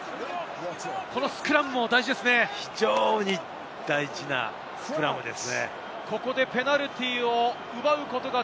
非常に大事なスクラムです。